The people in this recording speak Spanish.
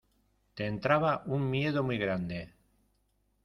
te entraba un miedo muy grande.